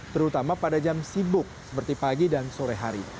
terutama pada jam sibuk seperti pagi dan sore hari